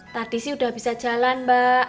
tadi sih udah bisa jalan mbak